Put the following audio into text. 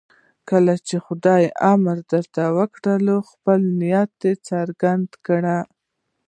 کله چې خدای امر درته وکړي خپل نیت څرګند کړئ.